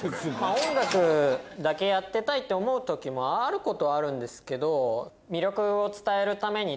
音楽だけやってたいって思う時もあることはあるんですけど。